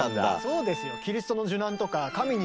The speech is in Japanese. そうですよ。